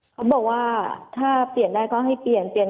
เขาบอกว่าถ้าเปลี่ยนได้ก็ให้เปลี่ยน